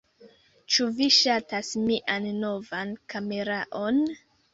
Ĉu vi ŝatas mian novan kameraon?